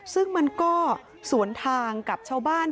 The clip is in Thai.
ซึ่งมันก็สวนทางกับชาวบ้าน